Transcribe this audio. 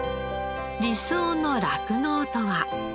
理想の酪農とは？